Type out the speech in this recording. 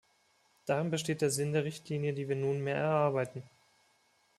Darin besteht der Sinn der Richtlinie, die wir nunmehr erarbeiten.